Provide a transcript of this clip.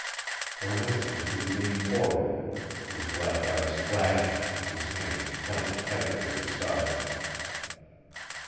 For an instant he leaned forward, his black eyes flashing, his hands clenched tightly at his sides.